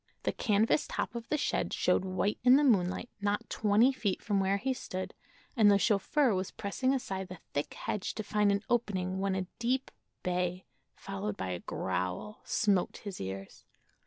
The canvas top of the shed showed white in the moonlight, not twenty feet from where he stood, and the chauffeur was pressing aside the thick hedge to find an opening when a deep bay, followed by a growl, smote his ears.